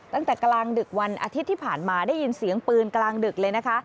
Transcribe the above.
ตั้งแต่กลางดึกวันอาทิตย์ที่ผ่านมาได้ยินเสียงปืนกลางดึกเลยนะคะ